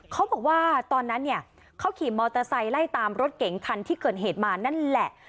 เขาบอกว่าตอนนั้นเนี่ยเขาขี่มอเตอร์ไซค์ไล่ตามรถเก๋งคันที่เกิดเหตุมานั่นแหละ